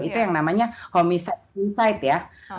itu yang namanya homiside suicide ya